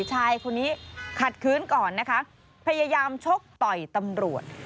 ชายคนนี้ขัดคืนก่อนนะคะพยายามชกต่อยตำรวจ